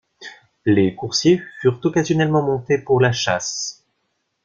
Les coursiers furent occasionnellement montés pour la chasse.